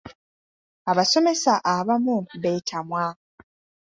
Abasomesa abamu beetamwa.